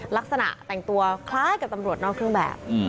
ลักษณะแต่งตัวคล้ายกับตำรวจนอกเครื่องแบบ